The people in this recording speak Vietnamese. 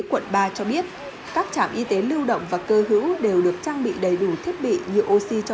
quận ba cho biết các trạm y tế lưu động và cơ hữu đều được trang bị đầy đủ thiết bị nhựa oxy cho